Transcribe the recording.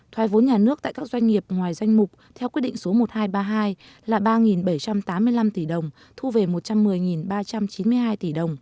thoái vốn nhà nước tại các doanh nghiệp ngoài danh mục theo quyết định số một nghìn hai trăm ba mươi hai là ba bảy trăm tám mươi năm tỷ đồng thu về một trăm một mươi ba trăm chín mươi hai tỷ đồng